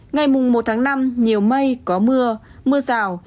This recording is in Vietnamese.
ngày một tháng năm nhiều mây có mưa mưa rào